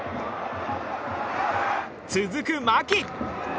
続く、牧。